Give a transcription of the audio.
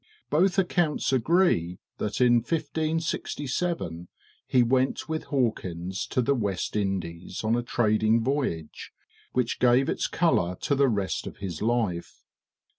Both accounts agree that in 1567 he went with Hawkins to the West Indies on a trading voyage, which gave its color to the rest of his life.